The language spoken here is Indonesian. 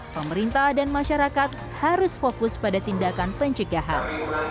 pemerintah dan masyarakat harus fokus pada tindakan pencegahan